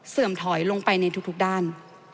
เสื่อมถอยลงไปในทุกด้าน